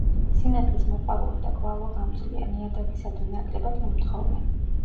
სინათლის მოყვარული და გვალვაგამძლეა, ნიადაგისადმი ნაკლებად მომთხოვნი.